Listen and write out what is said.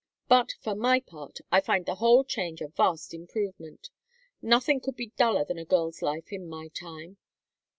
But, for my part, I find the whole change a vast improvement. Nothing could be duller than a girl's life in my time.